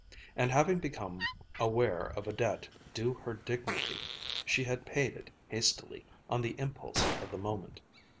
And having become aware of a debt due her dignity, she had paid it hastily, on the impulse of the moment.